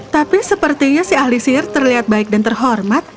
tapi sepertinya si ahli sihir terlihat baik dan terhormat